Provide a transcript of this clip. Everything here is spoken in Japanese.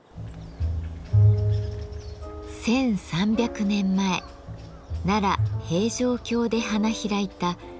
１，３００年前奈良・平城京で花開いた天平文化。